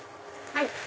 はい。